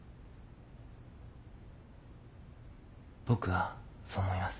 僕はそう思います。